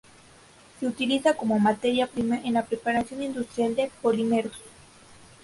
Se utiliza como materia prima en la preparación industrial de polímeros.